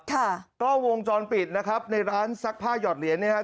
กล้องวงจรปิดนะครับในร้านซักผ้าหยอดเหรียญเนี่ยครับ